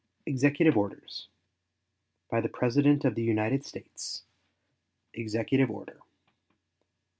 EXECUTIVE ORDERS. BY THE PRESIDENT OF THE UNITED STATES. EXECUTIVE ORDER.